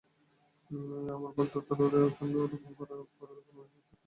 আমার বাগদত্তার সঙ্গে ওরকম করার পরেও এখানে এসেছ, তোমার সাহস আছে বলতে হবে।